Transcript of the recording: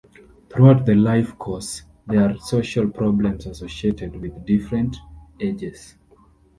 Throughout the life course, there are social problems associated with different ages.